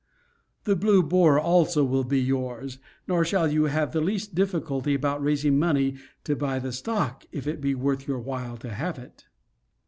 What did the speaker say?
The Blue Boar also will be yours; nor shall you have the least difficulty about raising money to buy the stock, if it be worth your while to have it.